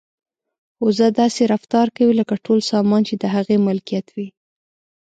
وزه داسې رفتار کوي لکه ټول سامان چې د هغې ملکیت وي.